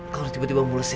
kalau tiba tiba mules ya